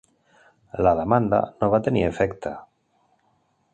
La demanda no va tenir efecte.